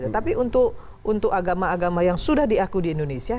tapi untuk agama agama yang sudah diakui di indonesia